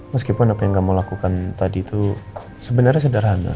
meskipun apa yang kamu lakukan tadi itu sebenarnya sederhana